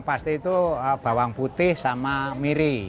pasti itu bawang putih sama miri